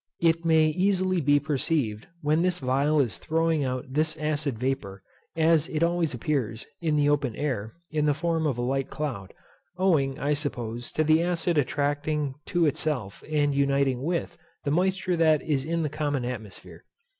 It may easily be perceived when this phial is throwing out this acid vapour, as it always appears, in the open air, in the form of a light cloud; owing, I suppose, to the acid attracting to itself, and uniting with, the moisture that is in the common atmosphere.